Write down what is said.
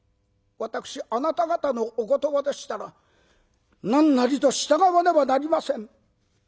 私あなた方のお言葉でしたら何なりと従わねばなりません。